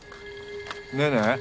ねえねえ。